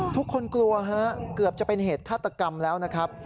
ทุกคนกลัวฮะเกือบจะเป็นเหตุฆาตกรรมแล้วนะครับ